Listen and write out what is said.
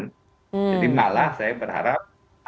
jadi malah saya berharap